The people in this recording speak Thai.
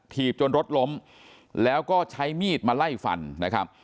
จนรถล้มแล้วก็ใช้มีดมาไล่ฟันนะครับ